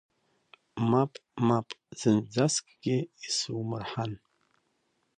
Мап, мап, зынӡаскгьы исумырҳан!